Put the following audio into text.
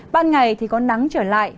ban ngày thì có nắng trở lại